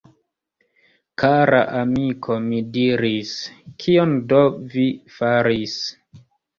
Kara amiko! mi diris, kion do vi faris!?